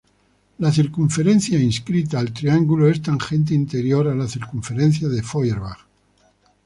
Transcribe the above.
La circunferencia inscrita al triángulo es tangente interior a la circunferencia de Feuerbach.